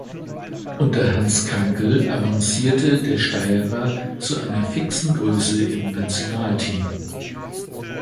Unter Hans Krankl avancierte der Steirer zu einer fixen Größe im Nationalteam.